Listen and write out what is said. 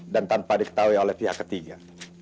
dan tanpa diketahui oleh pihak ketiga